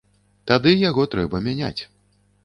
Тады яго трэба мяняць.